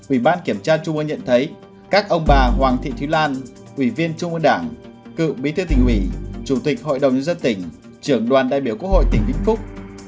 ủy ban kiểm tra trung ương nhận thấy các ông bà hoàng thị thúy lan ủy viên trung ương đảng cựu bí thư tỉnh ủy chủ tịch hội đồng nhân dân tỉnh trưởng đoàn đại biểu quốc hội tỉnh vĩnh phúc